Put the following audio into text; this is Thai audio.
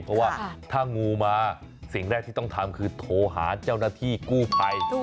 เพราะว่าถ้างูมาสิ่งแรกที่ต้องทำคือโทรหาเจ้าหน้าที่กู้ภัย